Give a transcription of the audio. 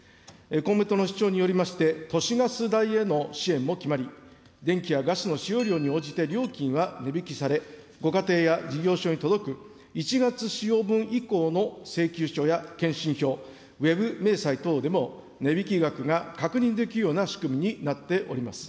公明党の主張によりまして、都市ガス代への支援も決まり、電気やガスの使用量に応じて料金は値引きされ、ご家庭や事業所に届く１月使用分以降の請求書や検針票、ウェブ明細等でも、値引き額が確認できるような仕組みになっております。